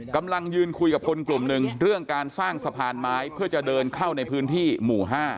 กำลังยืนคุยกับคนกลุ่มหนึ่งเรื่องการสร้างสะพานไม้เพื่อจะเดินเข้าในพื้นที่หมู่๕